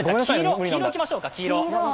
黄色、いきましょうか。